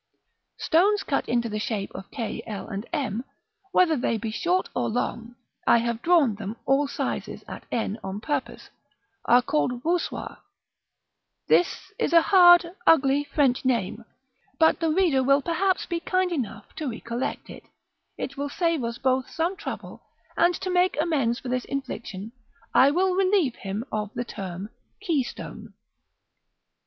Stones cut into the shape of k, l, and m, whether they be short or long (I have drawn them all sizes at n on purpose), are called Voussoirs; this is a hard, ugly French name; but the reader will perhaps be kind enough to recollect it; it will save us both some trouble: and to make amends for this infliction, I will relieve him of the term keystone.